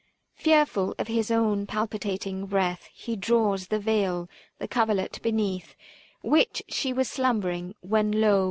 Fearful of his own palpitating breath ; He draws the veil, the coverlet beneath Which she was slumbering : when, lo